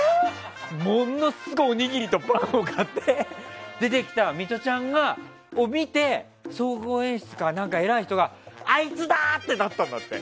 ものすごい、おにぎりとパンを買って出てきたミトちゃんを見て総合演出か何か、偉い人があいつだ！ってなったんだって。